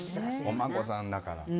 お孫さんだから。